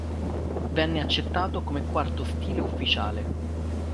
Venne accettato come quarto stile ufficiale.